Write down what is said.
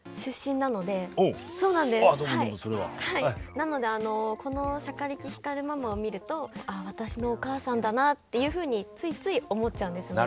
なのでこのしゃかりき光ママを見るとあ私のお母さんだなっていうふうについつい思っちゃうんですね。